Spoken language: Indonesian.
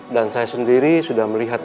dan saya sendiri sudah melihat